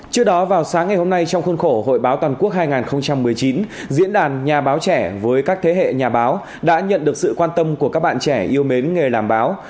trước đó vào sáng ngày hôm nay trong khuôn khổ hội báo toàn quốc hai nghìn một mươi chín diễn đàn nhà báo trẻ với các thế hệ nhà báo đã nhận được sự quan tâm của các bạn trẻ yêu mến nghề làm báo